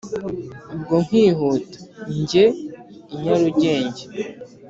Ubwo nkihuta njye i Nyarugenge.